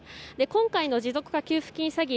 今回の持続化給付金詐欺